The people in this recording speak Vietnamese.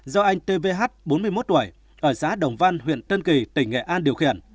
do anh t v h bốn mươi một tuổi ở xã đồng văn huyện tân kỳ tỉnh nghệ an điều khiển